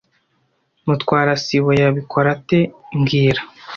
Mutwara sibo yabikora ate mbwira